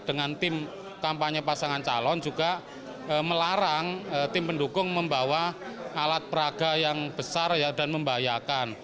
dengan tim kampanye pasangan calon juga melarang tim pendukung membawa alat peraga yang besar dan membahayakan